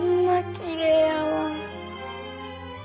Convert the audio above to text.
きれいやわ。